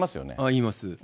言います。